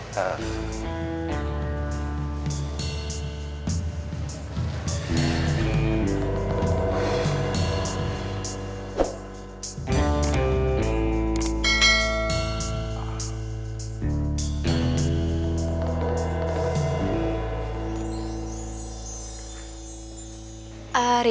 kamu harus kuat pei